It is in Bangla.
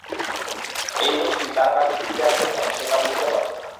এই লোকটি তার কাছে কী জানতে চায়, তা সে বুঝতে পারছে না।